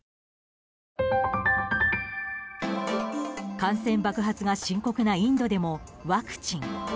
感染爆発が深刻なインドでもワクチン。